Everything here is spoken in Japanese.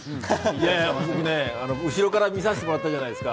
僕ね、後ろから見させていただいたじゃないですか。